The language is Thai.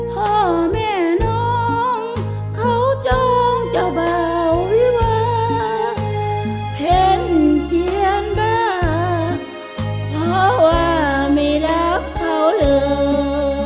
พ่อแม่น้องเขาจองเจ้าบ่าววิวาเพ็ญเจียนบ้าเพราะว่าไม่รักเขาเลย